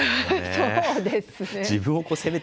そうですね。